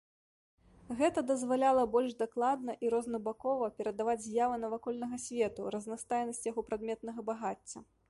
Гэта дазваляла больш дакладна і рознабакова перадаваць з'явы навакольнага свету, разнастайнасць яго прадметнага багацця.